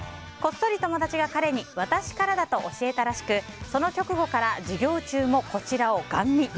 こっそり友達が彼に、私からだと教えたらしくその直後から授業中もこちらをガン見。